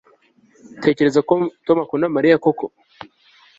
Utekereza ko Tom akunda Mariya koko